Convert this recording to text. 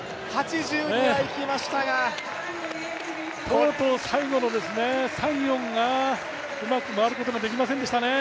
８０にはいきましたがとうとう最後の３・４がうまく回ることができませんでしたね。